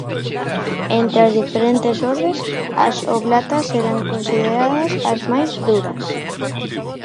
Entre as diferentes ordes, as oblatas eran consideradas as máis duras.